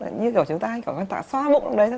như kiểu chúng ta hay tả xoa bụng